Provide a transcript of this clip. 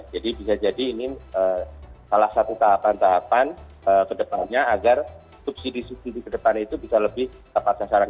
jadi ini bisa jadi salah satu tahapan tahapan kedepannya agar subsidi subsidi kedepannya itu bisa lebih tepat sasaran